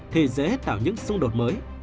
thì dễ tạo những xung đột mới